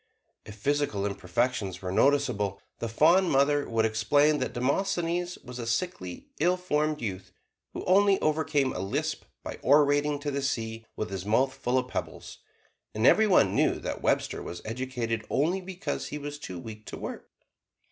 If physical imperfections were noticeable, the fond mother would explain that Demosthenes was a sickly, ill formed youth, who only overcame a lisp by orating to the sea with his mouth full of pebbles; and every one knew that Webster was educated only because he was too weak to work.